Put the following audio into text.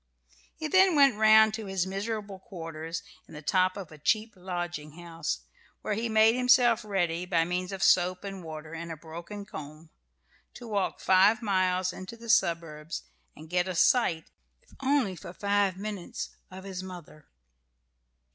He then went round to his miserable quarters, in the top of a cheap lodging house, where he made himself ready, by means of soap and water and a broken comb, to walk five miles into the suburbs and get a sight, if only for five minutes, of his mother.